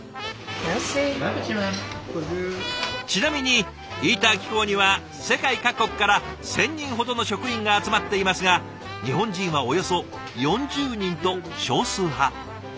ちなみにイーター機構には世界各国から１，０００人ほどの職員が集まっていますが日本人はおよそ４０人と少数派。